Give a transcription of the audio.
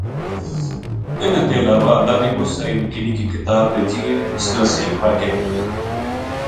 انہاں تے علاوہ اللہ نے ہور نکی نکی مساری کتاب بھیجی جنہاں صحیفہ کہیں۔